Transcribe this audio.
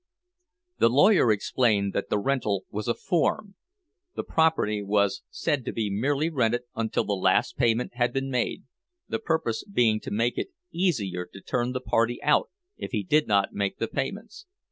The lawyer explained that the rental was a form—the property was said to be merely rented until the last payment had been made, the purpose being to make it easier to turn the party out if he did not make the payments.